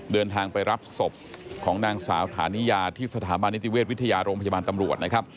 เดินทางไปรับศพของนางสาวฐานิยาที่สถาบันนิติเวชวิทยาโรงพยาบาลตำรวจนะครับ